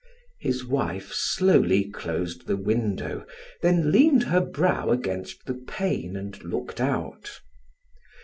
His wife slowly closed the window, then leaned her brow against the pane and looked out.